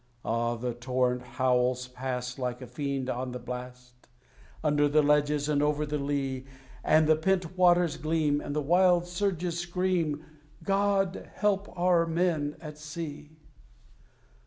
Ah! the torrent howls past, like a fiend on the blast, Under the ledges and over the lea; And the pent waters gleam, and the wild surges scream God help our men at sea!